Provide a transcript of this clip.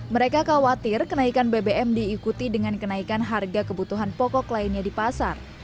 mereka khawatir kenaikan bbm diikuti dengan kenaikan harga kebutuhan pokok lainnya di pasar